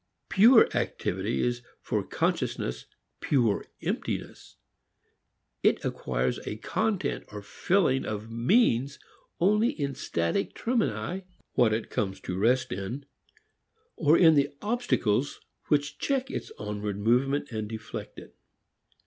"Pure" activity is for consciousness pure emptiness. It acquires a content or filling of meanings only in static termini, what it comes to rest in, or in the obstacles which check its onward movement and deflect it.